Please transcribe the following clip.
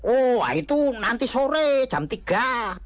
oh itu nanti sore jam tiga